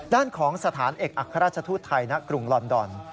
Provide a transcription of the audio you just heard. ด้านของสถานเอกอัครราชทูตไทยณกรุงลอนดอน